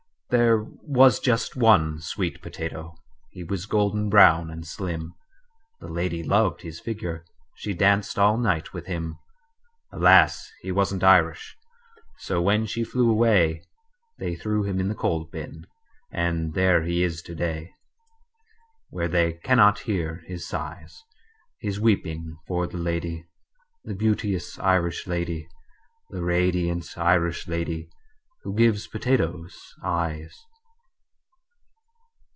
"There was just one sweet potato. He was golden brown and slim: The lady loved his figure. She danced all night with him. Alas, he wasn't Irish. So when she flew away, They threw him in the coal bin And there he is to day, Where they cannot hear his sighs His weeping for the lady, The beauteous Irish lady, The radiant Irish lady Who gives potatoes eyes."